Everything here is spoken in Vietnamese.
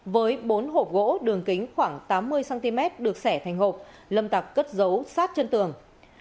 với bốn hộp gỗ đường kính khoảng tám mươi cm được sẻ thành hộp lâm tạc cất giấu sát chân tường